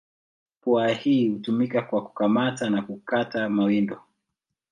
Pua hii hutumika kwa kukamata na kukata mawindo.